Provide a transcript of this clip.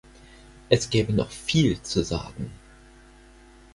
Es gäbe noch viel zu sagen.